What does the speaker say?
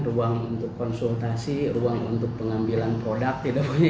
ruang untuk konsultasi ruang untuk pengambilan produk tidak banyak